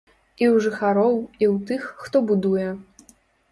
І ў жыхароў, і ў тых, хто будуе.